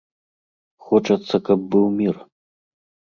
Хочацца, каб быў мір.